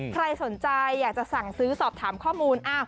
ใครสนใจอยากจะสั่งซื้อสอบถามข้อมูล